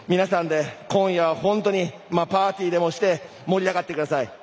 今夜は皆さんでパーティーでもして盛り上がってください。